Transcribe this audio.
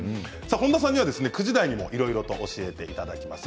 本多さんには９時台にもいろいろと教えていただきます。